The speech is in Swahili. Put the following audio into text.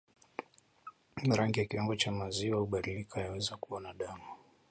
Rangi au kiwango cha maziwa hubadilika yanaweza kuwa na damu